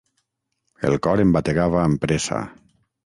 El cor em bategava amb pressa.